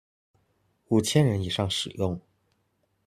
五千人以上使用